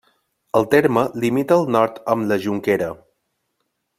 El terme limita al nord amb la Jonquera.